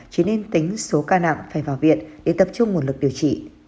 chỉ nên tính số ca nặng phải vào viện để tập trung nguồn lực điều trị